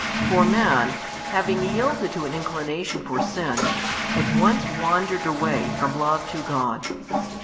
For man, having yielded to an inclination for sin, at once wandered away from love to God.